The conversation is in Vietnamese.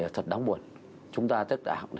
thật đáng buồn chúng ta thật đáng